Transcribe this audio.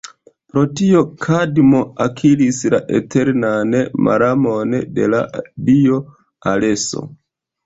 Pro tio, Kadmo akiris la eternan malamon de la dio Areso.